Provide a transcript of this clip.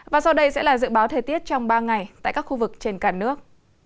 và sau đây sẽ là dự báo thời tiết trong ba ngày tại các khu vực trên cả nước